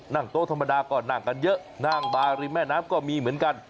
นั่งกันเยอะนั่งบาริมแม่น้ำก็มีเหมือนกัน